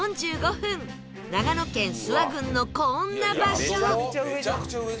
長野県諏訪郡のこんな場所